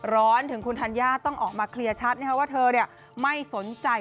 ร้อนถึงคุณธัญญาต้องออกมาเคลียร์ชัดว่าเธอไม่สนใจ